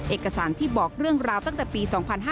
เอกสารที่บอกเรื่องราวตั้งแต่ปี๒๕๕๙